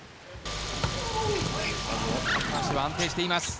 高橋は安定しています。